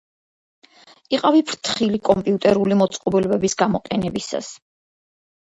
იყავი ფრთხილი კომპიუტერული მოწყობილობების გამოყენებისას.